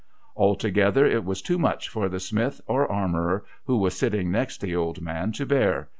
Altogether it was too much for the smith or armourer, who was sitting next the old man, to bear.